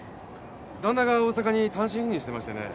旦那が大阪に単身赴任してましてね。